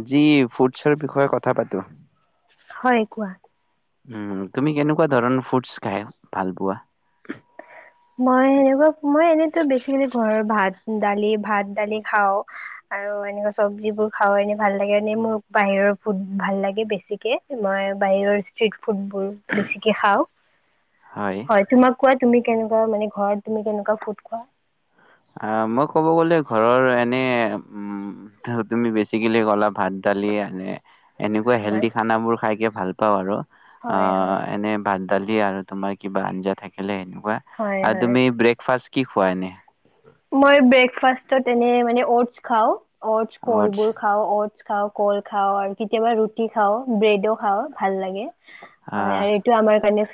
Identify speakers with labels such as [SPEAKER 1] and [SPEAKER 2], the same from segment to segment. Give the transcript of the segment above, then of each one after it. [SPEAKER 1] আজি ফুডছৰ বিষয়ে কথা পাতো
[SPEAKER 2] হয় কোৱা
[SPEAKER 1] উনন তুমি কেনেকুৱা ধৰণৰ ফুডচ খাই ভাল পোৱা
[SPEAKER 2] মইনেকুৱা মই এনেো ব ঘৰৰ ভাত দালি ভাত দালি খাওঁ আৰু এ চবজোৰ খা ভাল ল এনে মোৰ বাহিৰৰ ফু ভাল লে বেছিকৈ মই বাহিৰৰ ষ্টি ফুটবোৰ বেছিকৈ খাওঁ হয় তোমাক কোৱাত তুমি কেনেকৈ মানে ঘৰত তুমি কেনেকুৱা ফুড খোৱা
[SPEAKER 1] অঁ মই ক'ব গ'লে ঘৰৰ এনে উম তুমি বেছিকৈ ভাত দালি এনে এনেকুৱা
[SPEAKER 2] হয়।
[SPEAKER 1] হেল্ডি খানাবোৰ খাইকৈ ভাল পাওঁ আৰু
[SPEAKER 2] হয় হয়
[SPEAKER 1] অঁ এনে ভাদ দালি আৰু তোমাৰ কিবা আঞ্জা থাকিলে হেনো
[SPEAKER 2] হয় হয়।
[SPEAKER 1] তুমি ব্ৰেকফাষ্ট কি খোৱা এনে
[SPEAKER 2] মই ব্ৰেকফাষ্টত এনে মানটছ খাওঁ অ'টছ
[SPEAKER 1] অ
[SPEAKER 2] কলবোৰ খাওঁ অট খাওঁ কল খাঁও আৰু কেতিয়াবা ৰুটি খাওঁ ব্ৰেডো খাওঁ ভাল লাগে হয়
[SPEAKER 1] আহ
[SPEAKER 2] আৰু এইটো আমাৰ কাৰণে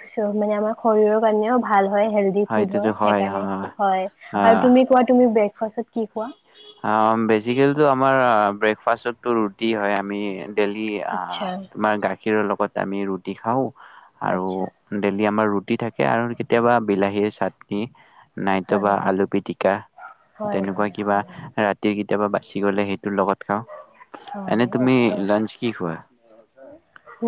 [SPEAKER 2] মানে আমাৰ শৰীৰৰ কাৰণেও ভাল হয় হেলডি ফুড
[SPEAKER 1] হয়টোতো
[SPEAKER 2] হয়
[SPEAKER 1] অ
[SPEAKER 2] সেইকাৰণে হয় আৰু তুমি কোৱা তুমি ব্ৰেকফাষ্টত কি কোৱা
[SPEAKER 1] অঁ বেজিভাগতো আমাৰ ব্ৰেকফাষ্টতো ৰুটি হয় আমি ডেলি অঁ
[SPEAKER 2] আচ্ছা
[SPEAKER 1] তোমাৰ গা গাখীৰৰ লগত আমি ৰুটি খাওঁ আৰু
[SPEAKER 2] আচ্ছা,
[SPEAKER 1] ডেইেলি আমাৰ ৰুটি থাকে আৰু কেতিয়াবা বিলাহীৰ চাটনি নাইত
[SPEAKER 2] হয়
[SPEAKER 1] বাা
[SPEAKER 2] হয়
[SPEAKER 1] আলু পিটিকা
[SPEAKER 2] হয়
[SPEAKER 1] তেনেকুৱা
[SPEAKER 2] হয়
[SPEAKER 1] কিবা
[SPEAKER 2] হয়
[SPEAKER 1] ৰাতি কেতিয়াবা বাচি গ'লে সেইটোৰ লগত খাওঁ
[SPEAKER 2] হয়
[SPEAKER 1] এনে তুমি লাঞ্চ কি খোৱা?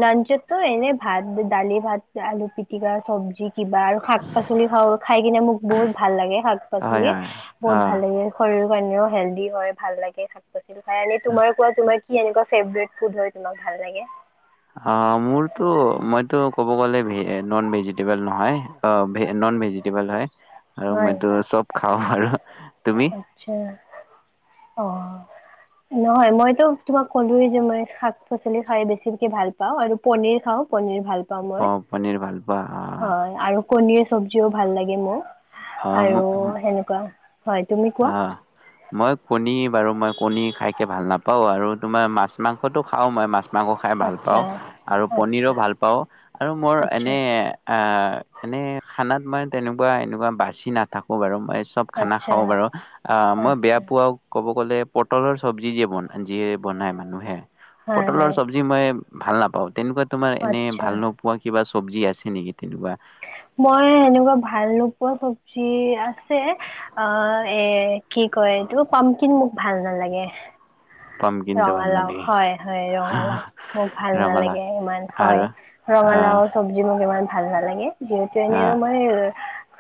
[SPEAKER 2] লাঞ্চত এনে ভাত ডালি ভাত আলু পিটিকা চব্জিত কিবা আৰু শাক পাচলি খাওঁ, খাই কিনে মোৰ বহুত ভাল লাগে শাক
[SPEAKER 1] হয়
[SPEAKER 2] পাচলি,
[SPEAKER 1] হয়
[SPEAKER 2] বহুত
[SPEAKER 1] অঁ
[SPEAKER 2] ভাল লাগে শৰীৰ নেও হেল্ডি হয়, ভাল লাগে শাক পাচলি খায়, এনে তোমাৰ কোৱা তোমাৰ কি এনেকুৱা ফেভৰেট ফুড হয়, তোমাক ভাল লাগে?
[SPEAKER 1] অ', মোৰতো মইতো ক'ব গ'লে, ভে, নন ভেজিটেবল নহয়, আ, নন ভেজিটেবল হয়। আৰু মইটো চব খাওঁ আৰু। তুমি
[SPEAKER 2] আতচ্ছা। অ', নহয় মইতো তোমাক ক'লোৱে যে, মই শাক পাচলি খাই বেছি ভাল পাওঁ আৰু পনীৰ খাওঁ। পনীৰ ভাল পাওঁ
[SPEAKER 1] অ
[SPEAKER 2] মই।
[SPEAKER 1] পনীৰ ভাল পোৱা অ
[SPEAKER 2] হয়, আৰু কনীৰ চব্জিও ভাল লাগে মোৰ।
[SPEAKER 1] অ
[SPEAKER 2] আৰু
[SPEAKER 1] মোক
[SPEAKER 2] সেনেকুৱা হয়, তুমি কোৱা।
[SPEAKER 1] অ', মই কণী বাৰু মই কণী খাইকে ভাল নাপাওঁ আৰু তোমাৰ মাছ, মাংসটো খাওঁ মই মাছ মাংস খাই ভাল
[SPEAKER 2] আচ্ছা
[SPEAKER 1] পাওঁ আৰু পনীৰো
[SPEAKER 2] আচ্ছা
[SPEAKER 1] ভাল পাওঁ আৰু মোৰ
[SPEAKER 2] আচ্ছা
[SPEAKER 1] এনে আ, এনে খানাত মানে তেনেকুৱা, এনেকুৱা বাছি নাথাকো বাৰু। চব খানা
[SPEAKER 2] আচ্ছা
[SPEAKER 1] খাওঁ বাৰু। অ', মই বেয়া
[SPEAKER 2] আচ্ছা
[SPEAKER 1] পোৱাও ক'ব গ'লে পটলৰ চব্জি যিয়ে বন-যিয়ে বনাই মানুহে
[SPEAKER 2] হয়
[SPEAKER 1] পটলৰ
[SPEAKER 2] হয়
[SPEAKER 1] চব্জি মই ভাল নাপাওঁ তেনেকুৱা তোমাৰ এনে
[SPEAKER 2] আচ্ছা
[SPEAKER 1] ভাল নোপোৱা কিবা চব্জি আছে নেকি তেনেকুৱা?
[SPEAKER 2] মই এেনেকুৱা ভাল নোপোৱা চব্জি আছে, অ, এ, কি কয় এইটো পাম কিন মোক ভাল নালাগে।
[SPEAKER 1] পামকিনটো ভাল
[SPEAKER 2] ৰঙালাও
[SPEAKER 1] নালাগে
[SPEAKER 2] হয় হয়, ৰঙালাও মোক ভাল নালাগে ইমান হয়।
[SPEAKER 1] আৰু আহ
[SPEAKER 2] ৰঙালাওৰ চব্জি মোক ইমান ভাল নালাগে। যে তেনে
[SPEAKER 1] আহ
[SPEAKER 2] তোমাৰ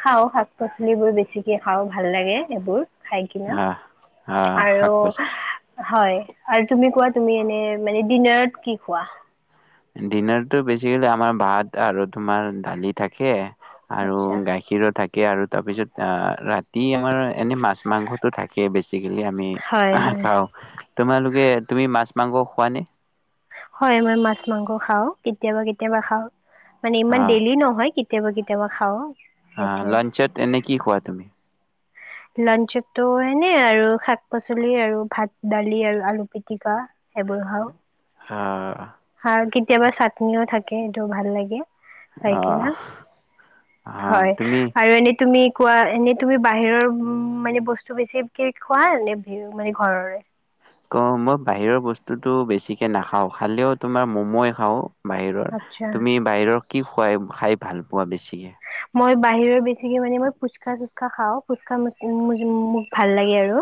[SPEAKER 2] খাওঁ শাক পাচলিবোৰ বেছিকে খাওঁ, ভাল লাগে এইবোৰ। খাই কিনা
[SPEAKER 1] আহ আহ শাক
[SPEAKER 2] আৰু
[SPEAKER 1] পাচলি
[SPEAKER 2] হয়। আৰু তুমি কোৱা তুমি এনে মানে ডিনাৰত কি খোৱা।
[SPEAKER 1] ডিনাৰতটো বেছিকলে আমাৰ ভাত আৰু তোমাৰ দালি থাকে। আৰু
[SPEAKER 2] আচ্ছা
[SPEAKER 1] গাখীৰো থাকে আৰু তাৰপিছত আহ ৰাতি আমাৰ এনে মাছ মাংসতো থাকে বেছিকেলি আমি
[SPEAKER 2] হয় হয়
[SPEAKER 1] খাওঁ। তোমালোকে তুমি মাছ মাংস খোৱা নে।
[SPEAKER 2] হয় মই মাছ মাংস খাওঁ কেতিয়াবা কেতিয়াবা খাওঁ। মানে ইমান ডেইেলি নহয়। কেতিয়াবা কেতিয়াবা খাওঁ
[SPEAKER 1] হ
[SPEAKER 2] সেইটোৱে
[SPEAKER 1] লাানঞ্চত এনে কি কোৱা তুমি।
[SPEAKER 2] লঞ্চতটো এনে আৰু শাক পাচলি আৰু ভাত দালি আৰু আলু পিতিকা সেইবোৰ খাওঁ।
[SPEAKER 1] অহ।
[SPEAKER 2] আৰু কেতিয়াবা চাটনিও থাকে সেইটো ভাল লাগে। হয় কি ন
[SPEAKER 1] অ
[SPEAKER 2] হয়
[SPEAKER 1] তুমি
[SPEAKER 2] আৰু এনেই তুমি। কোৱা এনেই তুমি। বাহিৰৰ উ মানে বস্তু বেছি কি খোৱা। নে মানে ঘৰৰে।
[SPEAKER 1] অ মই বাহিৰৰ বস্তুতো বেছিকে নাখাওঁ। খালেও তোমাৰ মমে খাওঁ। বাহিৰৰ
[SPEAKER 2] আচ্ছা
[SPEAKER 1] তুমি বাহিৰৰ। কি খুৱাই খাই ভাল পোৱা বেছিকে।
[SPEAKER 2] মই বাহিৰৰ বেছিকৈ মানে মই ফুচকা চুচকা খাওঁ ফুচকা মোক ভাল লাগে আৰু।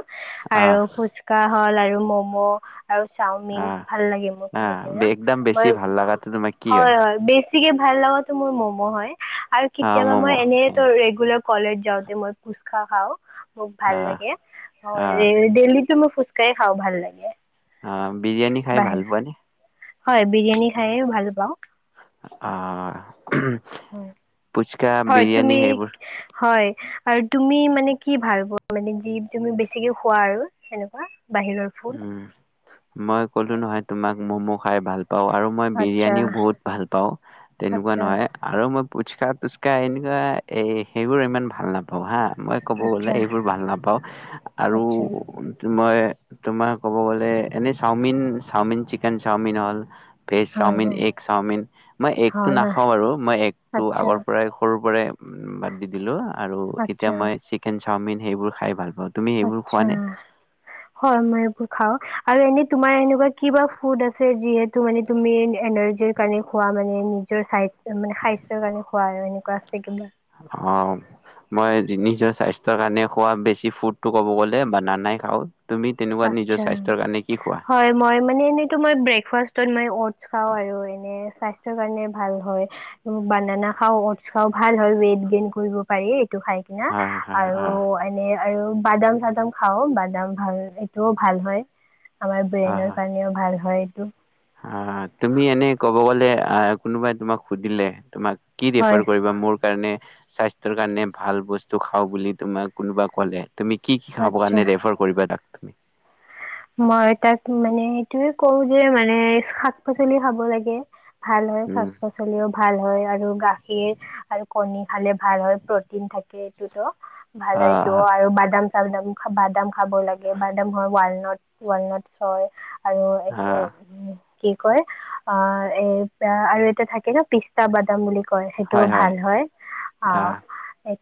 [SPEAKER 2] আৰু
[SPEAKER 1] আহ
[SPEAKER 2] ফুচকাহ। হল আৰু ম'ম'। আৰু চাওমিন
[SPEAKER 1] আহ
[SPEAKER 2] ভাল লাগে মোৰ খাই
[SPEAKER 1] আহ
[SPEAKER 2] কিনে
[SPEAKER 1] একদম
[SPEAKER 2] মই
[SPEAKER 1] বেছি ভাল লগাটো তোমাৰ কি
[SPEAKER 2] হয় হয় বেছি। তিকে ভাল লগাাতো মোৰ ম'ম' হয় আৰু।
[SPEAKER 1] আহ
[SPEAKER 2] কেতিয়াবা
[SPEAKER 1] ম'ম'
[SPEAKER 2] মই এনেই
[SPEAKER 1] আহ
[SPEAKER 2] ৰেগুলাৰ। কলেজ যাওঁতে মই কুচখা খাওঁ। খুব ভাল লাগে
[SPEAKER 1] আহ
[SPEAKER 2] দেলি। তুমি ফুচকাঢ়ি খাওঁ ভাল লাগে।
[SPEAKER 1] অ বিৰিয়ানী খাই
[SPEAKER 2] বাহিৰ
[SPEAKER 1] ভাল পোৱা নে।
[SPEAKER 2] হয় বিৰিয়ানী খাইে ভাল পাওঁ।
[SPEAKER 1] অহ।
[SPEAKER 2] হয়
[SPEAKER 1] বিৰিয়ানী
[SPEAKER 2] তুমি
[SPEAKER 1] সেইবোৰ
[SPEAKER 2] হয়। আৰু তুমি মানে কি ভাল পোৱা। মানে যি তুমি বেছিকে খোৱা আৰু সেনেকুৱা। বাহিৰৰ ফুড
[SPEAKER 1] উম মই ক'লো নহয় তোমাক মম'। খাই ভাল। পাওঁ আৰু মই
[SPEAKER 2] আচ্ছা
[SPEAKER 1] বিৰিয়ানীও বহুত ভাল পাওঁ তেনেকুৱা
[SPEAKER 2] আচ্ছা
[SPEAKER 1] নহয় আৰু মই। পুচকা তুচকা এনেকুৱা এই সেইবোৰ ইমান ভাল নাপাওঁ হা। মই ক'ব গ'লে
[SPEAKER 2] আচ্ছা
[SPEAKER 1] এইবোৰ ভাল নাপাওঁ আৰু
[SPEAKER 2] আচ্ছা
[SPEAKER 1] মই তোমাৰ ক'ব গ'লে এনে chowmein, chowmein, chicken chowmein all veg
[SPEAKER 2] হয়
[SPEAKER 1] চাওমিন,
[SPEAKER 2] হয়
[SPEAKER 1] এগ চাওমিন মই এগটো
[SPEAKER 2] হয় হয়
[SPEAKER 1] নাখাওঁ আৰু মই এগটো
[SPEAKER 2] আচ্ছা
[SPEAKER 1] আগৰ পৰাই সৰু পৰাই বাদ দি দিলোঁ আৰু এতিয়া
[SPEAKER 2] আচ্ছা
[SPEAKER 1] মই চিকেন চাওমিন সেইবোৰ খাই ভাল পাওঁ তুমি সেইবোৰ
[SPEAKER 2] আচ্ছা
[SPEAKER 1] খোৱানে?
[SPEAKER 2] হয় মই খাওঁ আৰু এনে তোমাৰ এনেকুৱা কিবা ফুড আছে, যিহেতু মানে তুমি এনাৰ্জিৰ কাৰণে খোৱা মানে। নিজৰ চাই মানে স্বাস্থ্যৰ কাৰণে খোৱা এনেকুৱা আছে কিবা?
[SPEAKER 1] অ', মই নিজৰ স্বাস্থ্যৰ কাৰণে খোৱা বেছি ফুডটো ক'ব গ'লে বানানাই খাওঁ। তুমি তেনেকুৱা নিজৰ
[SPEAKER 2] আচ্ছা
[SPEAKER 1] স্বাস্থ্যৰ কাৰণে কি খোৱা?
[SPEAKER 2] হয় মই মানে এনেই তোমাৰ ব্ৰেক ফাষ্ট ত', মই অ'টছ খাওঁ আৰু এনে স্বাস্থ্যৰ কাৰণে ভাল হয়। বানানা খাওঁ, অ'টছ খাওঁ। ভাল হয়। ৱেইট গেইন কৰিব পাৰি। তো খাই কিনা,
[SPEAKER 1] হয়, হয়,
[SPEAKER 2] আৰু
[SPEAKER 1] অ'।
[SPEAKER 2] এনে আৰু বাদাম-চানা খাওঁ। বাদাম ভাল তো ভাল হয় আমাৰ ব্ৰেইনৰ কাৰণেও ভাল হয়। তো
[SPEAKER 1] আ, তুমি এনে ক'ব গ'লে, আ, কোনোবাই তোমাক সুধিলে তোমাক কি
[SPEAKER 2] হয়
[SPEAKER 1] ৰেফাৰ কৰিবা মোৰ? কাৰণে, স্বাস্থ্যৰ কাৰণে ভাল বস্তু খাওঁ বুলি তোমাক কোনোবাই ক'লে তুমি কি কি খাবৰ
[SPEAKER 2] আচ্ছা
[SPEAKER 1] কাৰণে ৰেফাৰ কৰিবা তাক? তুমি
[SPEAKER 2] মই তাক, মানে, এইটোয়ে কওঁ যে, মানে, শাক-পাচলি খাব লাগে ভাল হয়।
[SPEAKER 1] উম,
[SPEAKER 2] শাক-পাচলিও ভা ভাল হয়। আৰু গাখীৰ আৰু কণী খালে ভাল হয়। প্ৰটিন থাকে, এইটোতো ভাল সেইটো,
[SPEAKER 1] অ',
[SPEAKER 2] আৰু বাদাম বাদাম, বাদাম খাব লাগে। বাদাম হয়, ৱালনট ৱালনটছ হয় আৰু এইটো,
[SPEAKER 1] অ',
[SPEAKER 2] উম কি কয় অ', এ আৰু এটা থাকে ন পিষ্টা বাদাম বুলি কয় সেইটোও ভাল হয়। অ', এই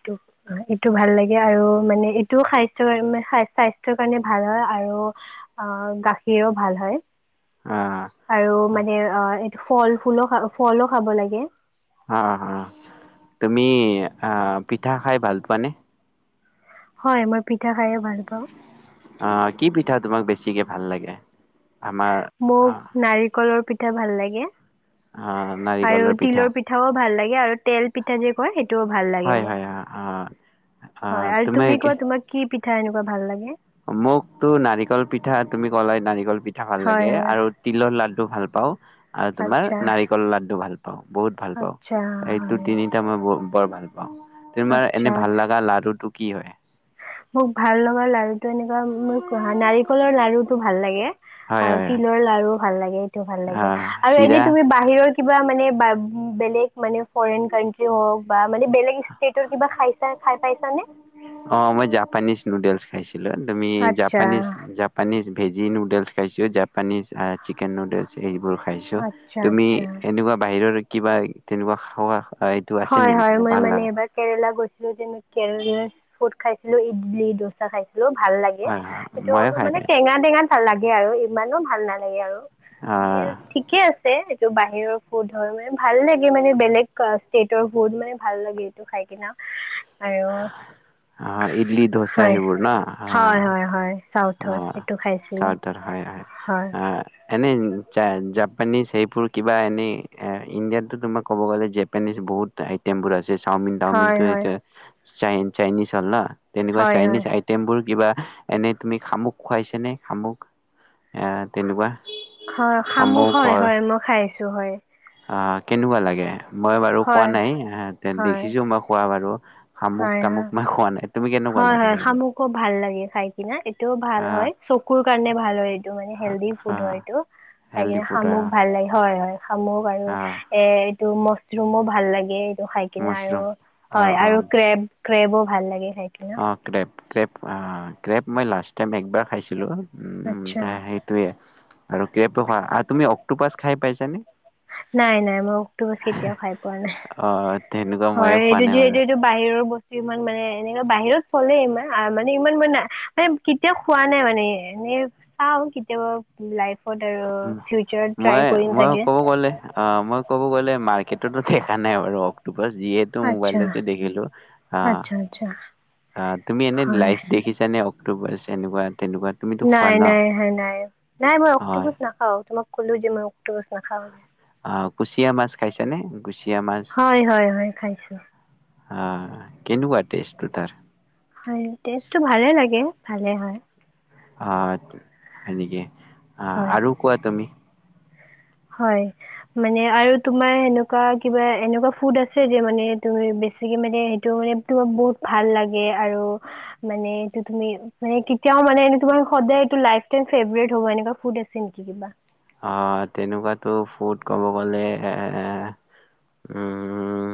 [SPEAKER 2] এইটো ভাল লাগে আৰু মানে এইটো স্বাস্থৰ কাৰ স্বাস্থ্যয়ৰ কাৰণে ভাল হয় আৰু অ', গাখীৰও ভাল হয়।
[SPEAKER 1] অ'।
[SPEAKER 2] আৰু মানে অ', ফল ফুলো খা ফলো খাব লাগে।
[SPEAKER 1] অ', অ', তুমি অ', পিঠা খাই ভাল পোৱানে?
[SPEAKER 2] হয়। মই পিঠা খায়ে ভাল পাওঁ
[SPEAKER 1] অ', কি পিঠা তোমাক বেছ বেছিকে ভাল লাগে? আমাৰ
[SPEAKER 2] মোক
[SPEAKER 1] আহ
[SPEAKER 2] নাৰি কলৰ পিঠা ভাল লাগে।
[SPEAKER 1] আহ
[SPEAKER 2] আৰু
[SPEAKER 1] নাৰিকলৰ পিঠা
[SPEAKER 2] তিলৰ পিঠাও ভাল লাগে। আৰু তেল পিঠা যে কয়? সেইটো টো ভাল লাগে
[SPEAKER 1] হয় হয়
[SPEAKER 2] মোক।
[SPEAKER 1] আহ আহ
[SPEAKER 2] হয় আৰু তুমি কোৱা তোমাৰ কি পি পঠা এনেকোৱা ভাল লাগে।
[SPEAKER 1] মোক টো নাৰিকল পিঠা তুমি ক'লাই নাৰিকল পিঠা ভাল
[SPEAKER 2] হয়
[SPEAKER 1] লাগে
[SPEAKER 2] হয়
[SPEAKER 1] আৰু তিলৰ লাড্ডু ভাল। পাওঁ আৰু তোমাৰ
[SPEAKER 2] আচ্ছা
[SPEAKER 1] নাৰিকলৰ লাড্ডু ভাল পাওঁ, বহুত ভাল
[SPEAKER 2] আচ্ছা
[SPEAKER 1] পাওঁ। এইটো
[SPEAKER 2] হয়
[SPEAKER 1] তিনিটা মই ব বৰ ভাল। তোমাৰ এনে
[SPEAKER 2] আচ্ছা
[SPEAKER 1] ভাল লগা লাৰুটো? কি হয়?
[SPEAKER 2] মোক ভাল লগা লাৰু এনেকুৱা মোৰ [inaudible] নাৰি কলৰ লাৰুটো ভাল লাগে।
[SPEAKER 1] হয়
[SPEAKER 2] আৰু
[SPEAKER 1] হয় হয়
[SPEAKER 2] তিলৰ লাৰু ভাল লাগে, এইটো ভাল লাগে
[SPEAKER 1] আহ,
[SPEAKER 2] আৰু এনেই
[SPEAKER 1] চিৰা
[SPEAKER 2] তুমি বাহিৰত কিবা মানে বাগ বেলেগ মানে ফৰেইন কান্ট্ৰি হওক বা মানে বেলেগ ষ্টেটৰ কিবা খাইছা, খাই পাইছানে?
[SPEAKER 1] পানীজ নুডেলছ খাইছোঁ। তুমি
[SPEAKER 2] আচ্ছা
[SPEAKER 1] জাপানিজ জাপানিজ ভেজি নুডেলছ খাইছোঁ জা পনীজ, অ, চিকেন নুডেল। চে এইবোৰ খাইছোঁ।
[SPEAKER 2] আচ্ছা
[SPEAKER 1] তুমি
[SPEAKER 2] আচ্ছা
[SPEAKER 1] এনেকুৱা বাহিৰৰ কিবা তেনেকুৱা। খোৱা। এইটো আছে
[SPEAKER 2] হয়,
[SPEAKER 1] নেকি
[SPEAKER 2] হয়!
[SPEAKER 1] তোমাৰ
[SPEAKER 2] মই
[SPEAKER 1] ভাল
[SPEAKER 2] মানে
[SPEAKER 1] লগা
[SPEAKER 2] এইবাৰ কেৰেলা গৈছো। খাইছিলো যেনে, কেৰেলাৰ ফুড খাইছিলো, ইডলি দোচা খাইছিলো। ও ভাল লাগে,
[SPEAKER 1] হয় হয়
[SPEAKER 2] সেইটো
[SPEAKER 1] ময়ো
[SPEAKER 2] অলপ
[SPEAKER 1] খাই
[SPEAKER 2] মানে
[SPEAKER 1] পাইছো
[SPEAKER 2] টেঙা টেঙা। ভাল লাগে আৰু ইমানো ভাল নালাগে আৰু। মানে
[SPEAKER 1] আহ
[SPEAKER 2] ঠিকে আছে। বাহিৰৰ ফুড হয়, মানে ভাল লাগে মানে বেলেগ ক ষ্টেটৰ ফুড মানে ভাল লাগে এইটো খাই কিনে।
[SPEAKER 1] অ ইডলি, দচা
[SPEAKER 2] হয়
[SPEAKER 1] সেইবোৰ ন?
[SPEAKER 2] হয় হয় হয়
[SPEAKER 1] অ
[SPEAKER 2] চাউথৰ সেইটো খাইছিলোঁ
[SPEAKER 1] চটাৰ হয়
[SPEAKER 2] হয়
[SPEAKER 1] [inaudible] এনেই জাপানিজ সেইবোৰ কিবা এনেই ইণ্ডিয়াতো তোমাৰ ক'ব গ'লে জোপানিজ বহুত আইটেমবোৰ আছে চাওমিন
[SPEAKER 2] হয়
[SPEAKER 1] টাওমিনটো
[SPEAKER 2] হয়
[SPEAKER 1] এতিয়া চাই চাইনিজ হ'ল ন তেনেকুৱা
[SPEAKER 2] হয় হয়
[SPEAKER 1] চাইনিজ আইটেম বোৰ কিবা এনেই তুমি শামুক খুৱাইছনে শামুক তেনেকুৱা
[SPEAKER 2] হয় শামুক হয় হয় মই খাইছো কিছু হয়
[SPEAKER 1] অঁ কেনেকুৱা লাগে মই বাৰু খোৱা
[SPEAKER 2] হয়
[SPEAKER 1] নাই
[SPEAKER 2] হয়
[SPEAKER 1] দেখিছো মই খোৱা বাৰু শামুক
[SPEAKER 2] হয়
[SPEAKER 1] তামুক
[SPEAKER 2] হয়
[SPEAKER 1] মই খোৱা নাই তুমি কেনেকুৱা
[SPEAKER 2] হয়
[SPEAKER 1] লাগে
[SPEAKER 2] হয়
[SPEAKER 1] এইবোৰ
[SPEAKER 2] শামুকো ভাল লাগে খাই কি এইটোও ভাল
[SPEAKER 1] আহ
[SPEAKER 2] হয় চকুৰ কাৰণে ভাল হয় এইটো মানে হেলডি ফুড হয়
[SPEAKER 1] আহ
[SPEAKER 2] এইটো খাই
[SPEAKER 1] হেল্ডি
[SPEAKER 2] কিনে
[SPEAKER 1] ফুড
[SPEAKER 2] শামুক
[SPEAKER 1] আহ
[SPEAKER 2] ভাল লাগে হয় হয় শামুক আৰু
[SPEAKER 1] আহ
[SPEAKER 2] এ এইটো ম [inaudible] মো ভাল লাগে টো খাই কিনে আৰু
[SPEAKER 1] মাছৰুম অ
[SPEAKER 2] হয়
[SPEAKER 1] অ
[SPEAKER 2] আৰু ব ভাল লাগে খাই কিনা
[SPEAKER 1] অ ক [unintelligible] ক্ৰেপ ক্ৰেপ মই লাষ্ট টাইম একবাৰ খাইছিলোঁ
[SPEAKER 2] আচ্ছা
[SPEAKER 1] সেইটোৱে আৰু আৰু তুমি অক্টোপাছ খাই পাইছানে
[SPEAKER 2] নাই নাই মই অকটোপাছ কেতিয়াও খাই পোৱা নাই
[SPEAKER 1] অ তেনেকুৱা
[SPEAKER 2] হয়
[SPEAKER 1] ময়ো খোৱা
[SPEAKER 2] এইটো
[SPEAKER 1] নাই বাৰু
[SPEAKER 2] যিহেতু এইটো বাহিৰৰ বস্তু ইমান মানে এনে বাহিৰত চলে ইমান মানে ইমান মানে মানে কেতিয়াও খোৱা নাই মানে এনে চাওঁ কেতিয়াবা লাইফ
[SPEAKER 1] উ মই মই
[SPEAKER 2] চাগে
[SPEAKER 1] ক'ব গ'লে অ মই ক'ব গ'লে মাৰ্কেটতো দেখা নাই বাৰ অ যিহেতু
[SPEAKER 2] আচ্ছা,
[SPEAKER 1] মোবাইলেতে দেখিলো আহ
[SPEAKER 2] আচ্ছা, আচ্ছা,
[SPEAKER 1] অ তুমি এনে
[SPEAKER 2] হয়।
[SPEAKER 1] লাইফ দেখিছানে অক্টোপাছ এনেকুৱা তেনেকুৱা তুমিতো খোৱা
[SPEAKER 2] নাই
[SPEAKER 1] ন
[SPEAKER 2] নাই হাই নাই নাই মই
[SPEAKER 1] হয়
[SPEAKER 2] অক্টোপাছ নাখাও তোমাক কলো যে মই অক্টোপাছ নখাওঁ
[SPEAKER 1] আহ কুচিয়া মাছ খাইছানে কুচিয়া মাছ
[SPEAKER 2] হয়, হয়, হয়, খাইছো।
[SPEAKER 1] অ' কেনেকুৱা টেষ্টটো তাৰ?
[SPEAKER 2] হয় টেষ্ট টো ভালে লাগে, ভালে হয়।
[SPEAKER 1] অ' হয় নেকি? অ'
[SPEAKER 2] হয়,
[SPEAKER 1] আৰু কোৱা তুমি।
[SPEAKER 2] হয়। মানে আৰু তোমাৰ সেনেকুৱা কিবা এনেকুৱা ফুড আছে যে মানে তুমি বেছিকে মানে সেইটো মানে তোমাক বহুত ভাল লাগে আৰু মানে এইটো তুমি মানে কেতিয়াও মানে এনে তোমাৰ সদায় এইটো লাইফ টাইম ফেভৰেট হ'ব এনেকুৱা ফুড আছে নেকি কিবা?
[SPEAKER 1] অ' তেনেকুৱাতো ফুড ক'ব গলে, এ উম!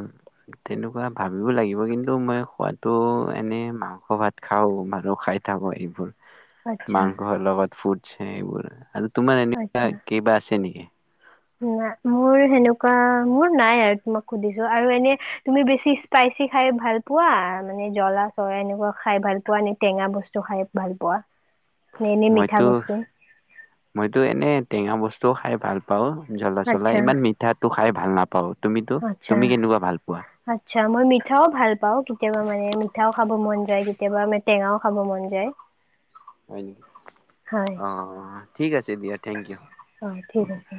[SPEAKER 1] তেনেকুৱা ভাবিব লাগিব কিন্তু, মই খোৱাতো এনেই মাংস ভাত খাও, খাই থাকোঁ সেইবোৰ।
[SPEAKER 2] আচ্ছা,
[SPEAKER 1] মাংসৰ লগত ফুট ু কিবা আছে নেকি?
[SPEAKER 2] ন মোৰ সেনেকুৱা মোৰ নাই আৰু তোমাক সুধিছো আৰু এনে তুমি বেছি স্পাইচি খাই ভাল পোৱা মানে, জলা চলা এনেকুৱা খাই ভাল পোৱা নে, টেঙা বস্তু খাই ভাল পোৱা? নে এনে মিঠা
[SPEAKER 1] মইতো,
[SPEAKER 2] বস্তু
[SPEAKER 1] মইতো এনে টেঙা বস্তুও খাই ভাল পাওঁ। জ্বলা চলা
[SPEAKER 2] আচ্ছা
[SPEAKER 1] ইমান মিঠাটো খাই ভাল নাপ [inaudible] তুমিতো,
[SPEAKER 2] আচ্ছা
[SPEAKER 1] তুমি কেনেকুৱা ভাল পোৱা?
[SPEAKER 2] [unintelligible] মই মিঠাও ভাল পাওঁ কেতিয়াবা মানে মিঠাও খাব মন যায় কে কেতিয়াবা আমাৰ টেঙাও খাব মন যায়।
[SPEAKER 1] হয় নেকি?
[SPEAKER 2] হয়
[SPEAKER 1] অ', ঠিক আছে দিয়া থেংক ইউ।
[SPEAKER 2] অ ঠিক আছে।